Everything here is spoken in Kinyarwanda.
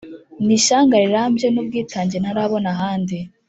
Ni ishyanga rirambye n’ubwitwnge ntarabona ahandi